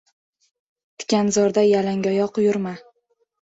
• Tikanzorda yalangoyoq yurma.